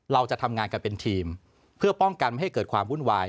เราจะทำงานกันเป็นทีมเพื่อป้องกันไม่ให้เกิดความวุ่นวาย